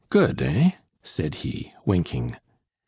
Good, eh?" said he, winking.